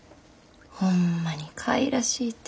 ほんまに可愛らしいて。